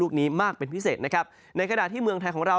ลูกนี้มากเป็นพิเศษนะครับในขณะที่เมืองไทยของเรา